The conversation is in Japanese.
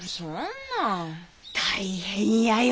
大変やよ